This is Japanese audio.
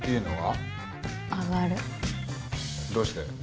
どうして？